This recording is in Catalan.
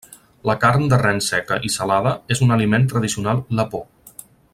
La carn de ren seca i salada és un aliment tradicional lapó.